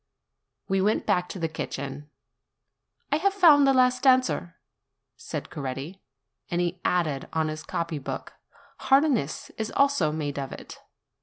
We went back to the kitchen. "I have found the last answer," said Coretti ; and he added on his copy book, Harness is also made of it.